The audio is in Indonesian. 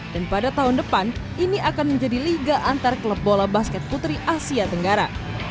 dan pada tahun depan ini akan menjadi liga antar klub bola basket putri asia tenggara